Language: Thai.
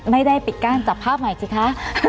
ไม่ได้ปิดกั้นจับภาพใหม่สิคะ